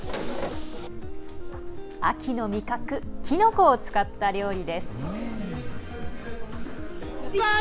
秋の味覚きのこを使った料理です。